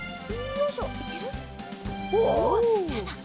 よいしょ。